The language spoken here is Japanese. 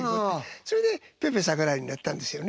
それでぺぺ桜井になったんですよね。